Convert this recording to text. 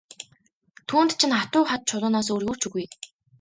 Түүнд чинь хатуу хад чулуунаас өөр юу ч үгүй.